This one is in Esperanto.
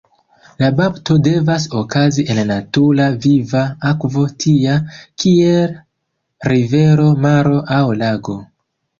La bapto devas okazi en natura viva akvo tia, kiel rivero, maro, aŭ lago.